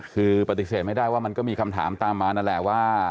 คือปฏิเสธไม่ได้ว่ามันก็มีคำถามตามมานั่นแหละว่า